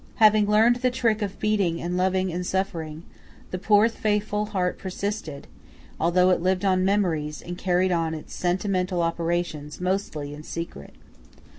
Having learned the trick of beating and loving and suffering, the poor faithful heart persisted, although it lived on memories and carried on its sentimental operations mostly in secret.